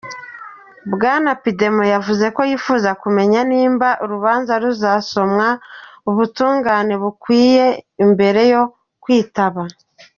Bwana Puigdemont yavuze ko yifuza kumenya nimba urubanza ruzobamwo ubutungane bukwiye, imbere yo kwitaba.